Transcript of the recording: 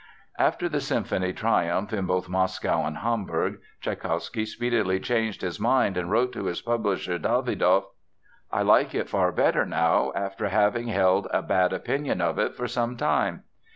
After the symphony triumphed in both Moscow and Hamburg, Tschaikowsky speedily changed his mind and wrote to his publisher Davidoff: "I like it far better now, after having held a bad opinion of it for some time."